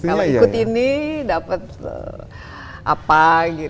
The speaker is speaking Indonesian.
kalau ikut ini dapat apa